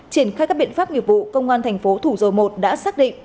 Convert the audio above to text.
triển khai các biện pháp nghiệp vụ công an thành phố thủ dầu một đã xác định